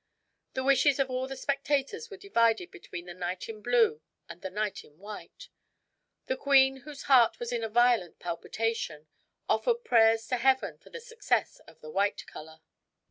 The wishes of all the spectators were divided between the knight in blue and the knight in white. The queen, whose heart was in a violent palpitation, offered prayers to Heaven for the success of the white color.